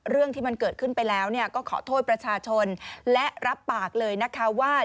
เรื่องที่มันเกิดขึ้นไปแล้วก็ขอโทษประชาชนและรับปากเลยนะคะว่า